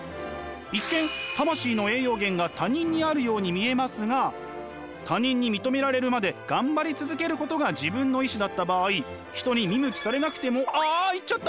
一見魂の栄養源が他人にあるように見えますが他人に認められるまで頑張り続けることが自分の意志だった場合人に見向きされなくてもああ行っちゃった！